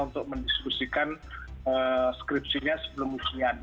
untuk mendiskusikan skripsinya sebelum ujian